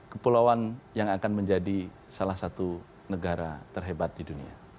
kepulauan yang akan menjadi salah satu negara terhebat di dunia